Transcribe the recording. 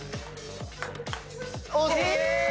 惜しい！